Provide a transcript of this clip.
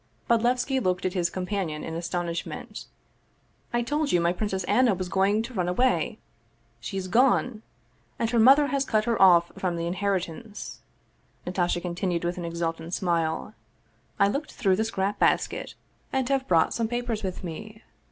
" Bodlevski looked at his companion in astonishment. " I told you my Princess Anna was going to run away. She's gone ! And her mother has cut her off from the in heritance," Natasha continued with an exultant smile. " I looked through the scrap basket, and have brought some papers with me."